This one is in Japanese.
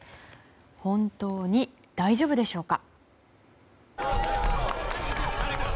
本当に大丈夫でしょうか？